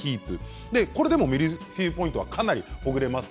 これでもミルフィーユポイントはかなりほぐれます。